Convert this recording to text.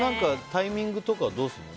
タイミングとかはどうするの？